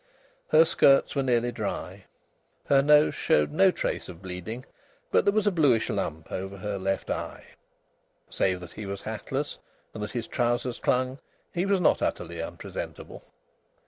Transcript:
Her skirts were nearly dry. Her nose showed no trace of bleeding, but there was a bluish lump over her left eye. Save that he was hatless, and that his trousers clung, he was not utterly unpresentable.